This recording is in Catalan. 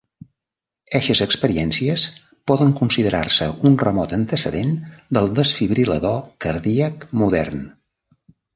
Eixes experiències poden considerar-se un remot antecedent del desfibril·lador cardíac modern.